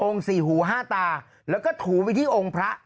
สี่หูห้าตาแล้วก็ถูไปที่องค์พระ